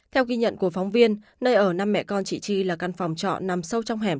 theo ghi nhận của phóng viên nơi ở năm mẹ con chị chi là căn phòng trọ nằm sâu trong hẻm